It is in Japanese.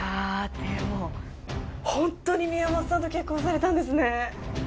でもホントにみやもっさんと結婚されたんですね